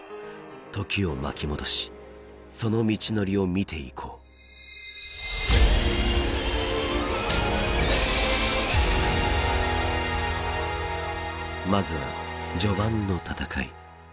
時を巻き戻しその道のりを見ていこうまずは序盤の戦い。